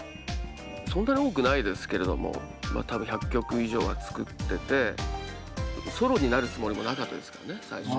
そんなに多くないですけれども多分１００曲以上は作っててソロになるつもりもなかったですからね最初。